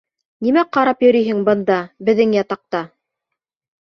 Нимә ҡарап йөрөйһөң бында -беҙҙең ятаҡта?